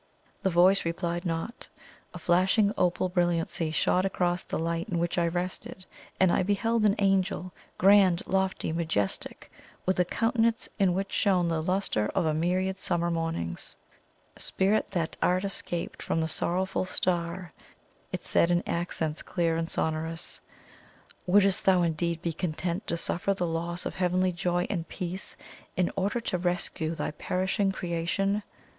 The voice replied not. A flashing opal brilliancy shot across the light in which I rested, and I beheld an Angel, grand, lofty, majestic, with a countenance in which shone the lustre of a myriad summer mornings. "Spirit that art escaped from the Sorrowful Star," it said in accents clear and sonorous, "wouldst thou indeed be content to suffer the loss of heavenly joy and peace, in order to rescue thy perishing creation?"